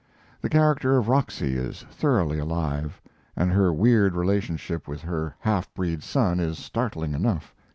The character of Roxy is thoroughly alive, and her weird relationship with her half breed son is startling enough.